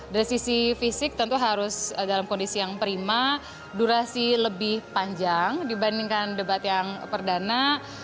dari sisi fisik tentu harus dalam kondisi yang prima durasi lebih panjang dibandingkan debat yang perdana